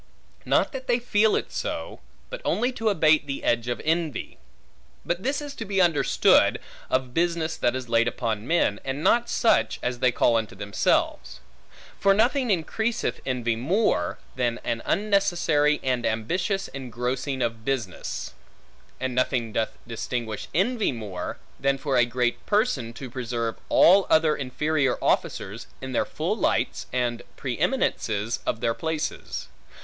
Not that they feel it so, but only to abate the edge of envy. But this is to be understood, of business that is laid upon men, and not such, as they call unto themselves. For nothing increaseth envy more, than an unnecessary and ambitious engrossing of business. And nothing doth extinguish envy more, than for a great person to preserve all other inferior officers, in their full lights and pre eminences of their places.